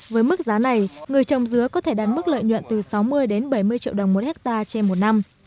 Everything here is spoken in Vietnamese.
với mức giá này người trồng dứa có thể đán mức lợi nhuận từ sáu mươi đến bảy mươi triệu đồng một hectare trên một năm